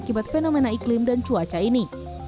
akibat fenomena iklim dan cuaca ini